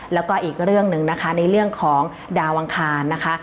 แล้วก็อีกเรื่องหนึ่งนะคะในเรื่องของดาวอังคารนะคะ